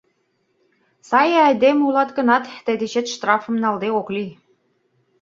Сай айдеме улат гынат, тый дечет штрафым налде ок лий.